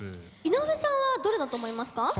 井上さんはどれだと思いますか？